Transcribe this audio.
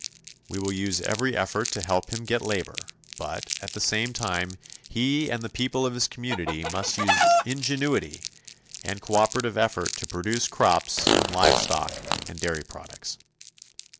We will use every effort to help him to get labor; but, at the same time, he and the people of his community must use ingenuity and cooperative effort to produce crops, and livestock and dairy products.